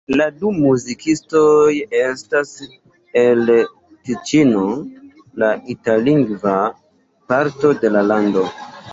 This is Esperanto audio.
La du muzikistoj estas el Tiĉino, la itallingva parto de la lando.